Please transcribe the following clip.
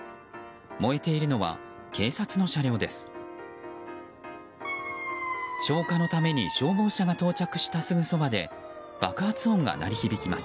燃えているのは警察の車両です。